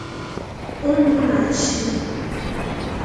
Ụmụnachi